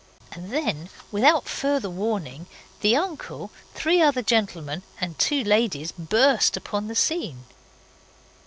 And then, without further warning, the uncle, three other gentlemen and two ladies burst upon the scene.